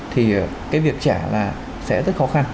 thì cái việc trả là sẽ rất khó khăn